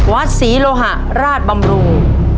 วัดศรีโลหะราชบำรุง